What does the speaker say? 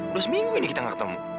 udah seminggu ini kita gak ketemu